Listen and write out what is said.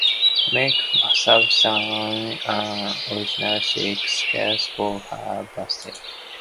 Mark gave Sue an original silk scarf for her birthday.